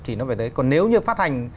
thì nó phải đấy còn nếu như phát hành